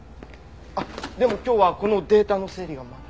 あっでも今日はこのデータの整理がまだ。